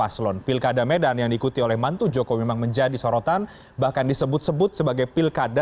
selamat malam pak renhad